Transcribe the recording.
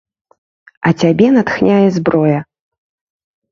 А цябе натхняе зброя.